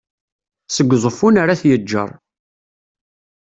seg uẓeffun ar at yeğğer